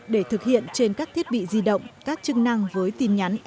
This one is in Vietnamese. để thực hiện trên các thiết bị di động các chức năng với tin nhắn